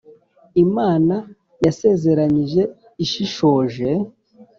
imana yasezeranyije ishishoje !".